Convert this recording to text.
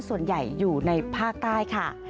ส่วนใหญ่อยู่ในภาคใต้ค่ะ